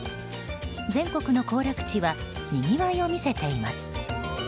全国の行楽地はにぎわいを見せています。